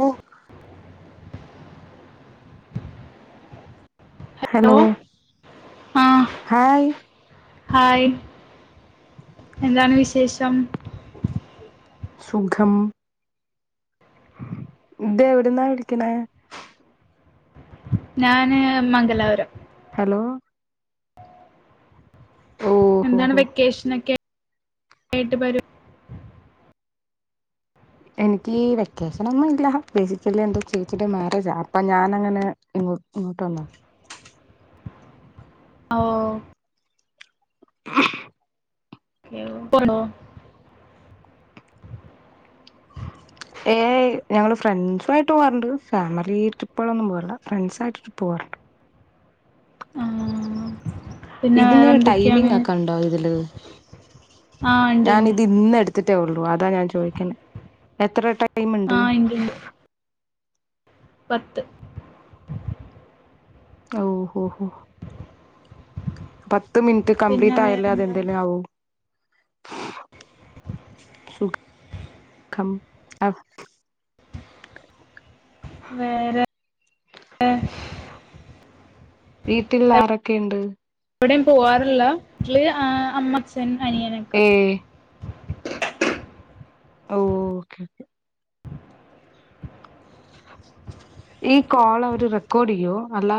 ഓ hello hello ആഹ് hi hi എന്താണ് വിശേഷം സുഖം ഇത് എവിടന്നാ വിളിക്കണേ ഞാന് മംഗലാപുരം ഹലോ ഓഹോ എന്താണ് ഹോ വെക്കേഷനൊക്കെ ഏട്ട് ബരും എനിക്ക് വെക്കേഷൻ ഒന്നും ഇല്ല ബേസിക്കലി എന്റെ ചേച്ചിയുടെ മാരേജാ അപ്പൊ ഞാൻ അങ്ങനെ ഇങ്ങോ ഇങ്ങോട്ട് വന്നാ ഓ [inaudible] [inaudible] ഏ ഞങ്ങള് ഫ്രണ്ട്സു ആയിട്ട് പോവാറുണ്ട് ഫാമിലി ട്രിപ്പോളൊന്നും പോവാരില്ല ഫ്രണ്ട്സ് ആയിട്ട് ട്രിപ്പ് പോവാറ്ണ്ട് ആഹ് പിന്നെ ഇതിന് വേറെ എന്തൊക്കെയാണ് ടൈമിംഗ് ഒക്കെ ഇണ്ടോ ഇതില് ആഹ് ഉണ്ട് ഞാൻ ഉണ്ട് ഇത് ഇന്ന് എട് ത്തിട്ടേ ഒള്ളൂ അതാ ഞാൻ ചോയ്ക്ക്ണ് എത്ര ടൈം ഉണ്ട് ആഹ് ഇണ്ട് ഇണ്ട് പത്ത് ഓ ഹോ ഹോ പത് ത്ത് മിനിറ്റ് പിന്നെ കംപ്ലീറ്റ് ആയാലേ വേറെന്താ അതെന്തേലും ആവൂ സുഖ ഖം ആ വേറെ വീട്ടിൽ ആരൊക്കെയ്ണ്ട് എവിടേം പോവാറില്ല വീട്ടില് അമ്മച്ഛൻ ഏ ഓ ഓക്കെ ഓക്കെ ഈ കോൾ അവര് റെക്കോർഡി യ്യോ അല്ല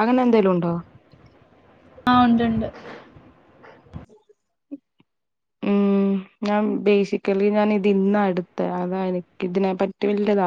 അങ്ങനെ എന്തെലും ഉണ്ടോ ആഹ് ഉണ്ട് ഉണ്ട് ഉം ഞാൻ ബേസിക്കലി ഞാൻ ഇത് ഇന്ന എടുത്തെ അതാ എനിക്ക് ഇതിനെ പറ്റി വല്ല്യ